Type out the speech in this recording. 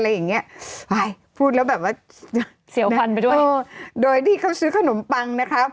อย่างเงี้ยพูดแล้วแบบว่าเสียวฟันไปด้วยเออโดยที่เขาซื้อขนมปังนะครับ